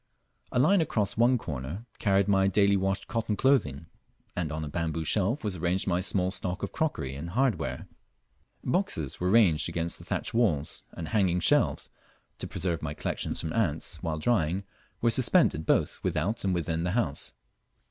A line across one corner carried my daily washed cotton clothing, and on a bamboo shelf was arranged my small stock of crockery and hardware: Boxes were ranged against the thatch walls, and hanging shelves, to preserve my collections from ants while drying, were suspended both without and within the house.